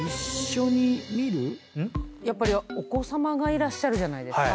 やっぱりお子さまがいらっしゃるじゃないですか。